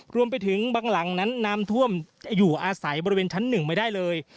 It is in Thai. รวมไปถึงบางหลังนั้นน้ำท่วมอยู่อาศัยบริเวณชั้น๑ไม่ได้เลย